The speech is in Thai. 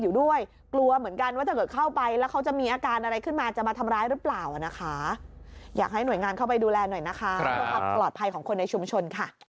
ดูแลหน่อยนะคะเพราะความปลอดภัยของคนในชุมชนค่ะ